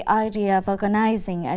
vì vậy cho tôi